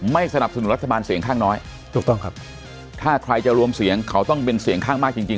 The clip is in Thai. สนับสนุนรัฐบาลเสียงข้างน้อยถูกต้องครับถ้าใครจะรวมเสียงเขาต้องเป็นเสียงข้างมากจริงจริง